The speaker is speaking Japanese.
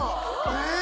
えっ